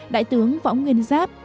đại tướng võ nguyên giáp